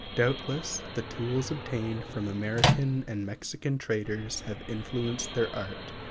Doubtless the tools obtained from American and Mexican traders have influenced their art.